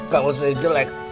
kalau saya jelek